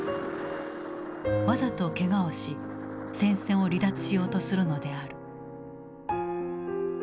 わざとけがをし戦線を離脱しようとするのである。